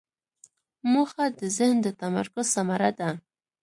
موخه د ذهن د تمرکز ثمره ده.